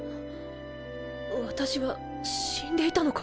私は死んでいたのか！？